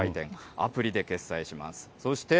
アプリで決済します。